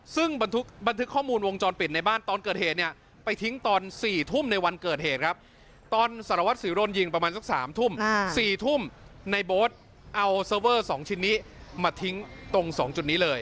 ซึ่งบันทึกข้อมูลวงจรปิดในบ้านตอนเกิดเหตุเนี่ยไปทิ้งตอน๔ทุ่มในวันเกิดเหตุครับตอนสารวัสสิโรนยิงประมาณสัก๓ทุ่ม๔ทุ่มในโบ๊ทเอาเซอร์เวอร์๒ชิ้นนี้มาทิ้งตรง๒จุดนี้เลย